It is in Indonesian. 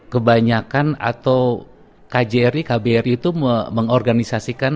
kebanyakan atau kjri kbri itu mengorganisasikan